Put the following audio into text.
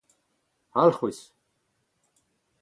alc'hwez